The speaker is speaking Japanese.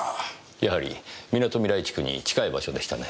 やはりみなとみらい地区に近い場所でしたね。